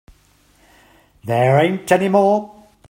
There ain't any more.